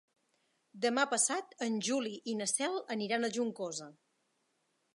Demà passat en Juli i na Cel aniran a Juncosa.